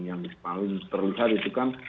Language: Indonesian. yang paling terlihat itu kan